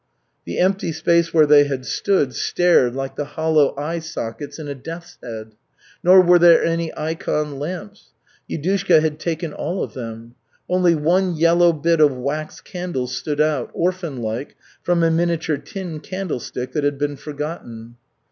The empty spaces where they had stood stared like the hollow eye sockets in a deathshead. Nor were there any ikon lamps. Yudushka had taken all of them. Only one yellow bit of wax candle stood out, orphan like, from a miniature tin candlestick that had been forgotten.